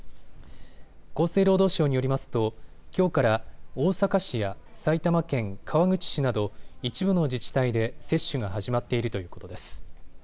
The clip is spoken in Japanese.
厚生労働省によりますときょうから大阪市や埼玉県川口市など一部の自治体で接種が始まっているということです。